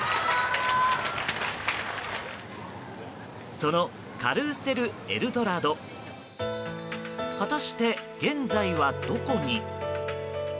そのカルーセルエルドラド果たして、現在はどこに？